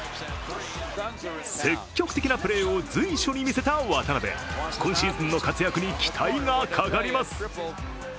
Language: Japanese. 積極的なプレーを随所に見せた渡邊、今シーズンの活躍に期待がかかります。